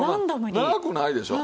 長くないでしょう。